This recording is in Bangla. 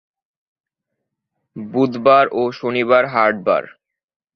বুধবার ও শনিবার হাট বার।